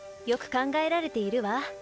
よく考えられているわ。